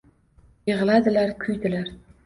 Yig’ladilar, kuydilar.